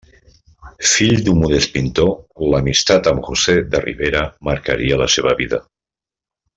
Fill d'un modest pintor, l'amistat amb José de Ribera marcaria la seva vida.